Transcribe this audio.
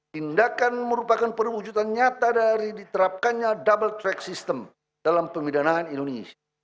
tindakan merupakan perwujudan nyata dari diterapkannya double track system dalam pemidanaan indonesia